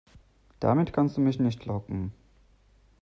Damit kannst du mich nicht locken.